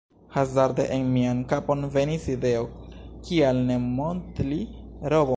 Hazarde en mian kapon venis ideo – kial ne modli robon?